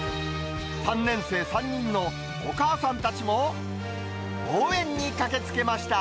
３年生３人のお母さんたちも応援に駆けつけました。